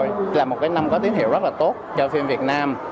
vì vậy là một cái năm có tiến hiệu rất là tốt cho phim việt nam